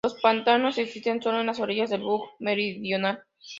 Los pantanos existen solo en las orillas del Bug Meridional.